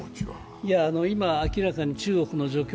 今、明らかに中国の状況